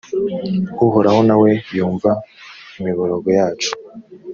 uhoraho na we yumva imiborogo yacu;